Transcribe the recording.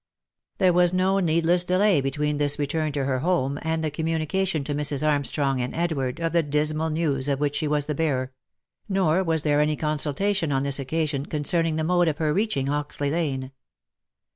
There was no needless delay between this return to her home, and the communication to Mrs. Armstrong and Edward of the dismal news of which she was the bearer ; nor was there any consultation on this occasion, concerning the mode of her reaching Hoxley lane.